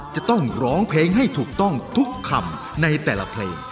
จะต้องร้องเพลงให้ถูกต้องทุกคำในแต่ละเพลง